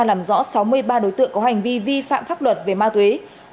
làm rõ sáu mươi ba đối tượng có hành vi vi phạm pháp luật về ma túy